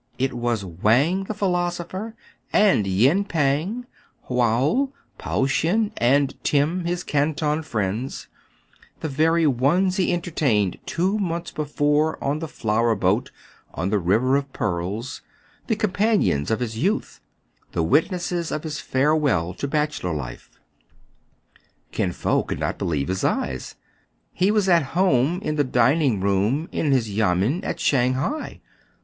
It was Wang the philosopher, and Yin Pang, Houal, Pao Shen, and Tim, his Canton friends, — the very ones he entertained two months before on the flower boat on the River of Pearls, the companions of his youth, the witnesses of his farewell to bachelor life. Kin Fo could not believe his eyes. He was at home in the dining room in his yamen at Shang hai.